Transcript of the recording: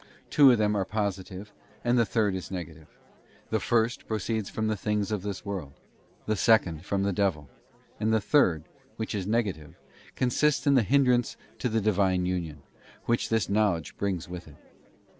Two of them are positive, and the third is negative. The first proceeds from the things of this world; _ the second from the devil; and the third, which is negative, consists in the hindrance to the Divine union, which this knowledge brings with it.